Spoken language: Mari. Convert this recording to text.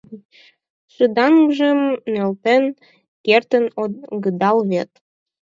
Шыдаҥжым нӧлтен кертын огыдал вет...